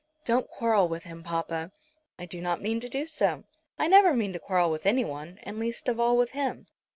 "Don't quarrel with him, papa." "I do not mean to do so. I never mean to quarrel with anyone, and least of all with him.